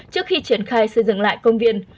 trước khi triển khai xây dựng lại công viên